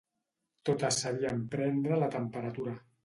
Totes sabien prendre la temperatura